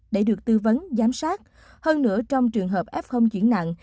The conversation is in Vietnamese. để được tư vấn giám sát hơn nữa trong trường hợp f chuyển nặng